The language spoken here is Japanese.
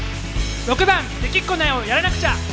６番「できっこないをやらなくちゃ」。